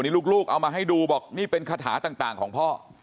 นี่ลูกเอามาให้ดูบอกนี่เป็นคาถาต่างของพ่อ